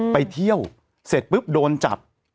ไปเที่ยวเสร็จปุ๊บโดนจับ